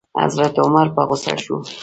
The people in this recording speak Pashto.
حضرت عمر په غوسه شو.